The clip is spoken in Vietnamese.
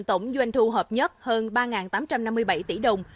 tổng doanh thu hợp nhất hơn ba tám trăm năm mươi bảy tỷ đồng